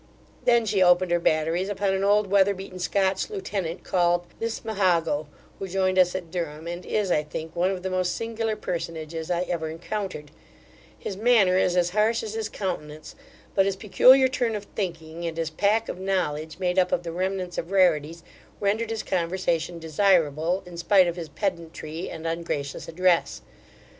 Then she opened her batteries upon an old weather beaten Scotch lieutenant, called Lismahago, who joined us at Durham, and is, I think, one of the most singular personages I ever encountered His manner is as harsh as his countenance; but his peculiar turn of thinking, and his pack of knowledge made up of the remnants of rarities, rendered his conversation desirable, in spite of his pedantry and ungracious address.